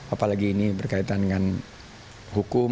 apalagi ini berkaitan dengan hukum